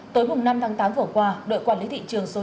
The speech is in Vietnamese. tối năm tháng tám vừa qua đội quản lý thị trường số chín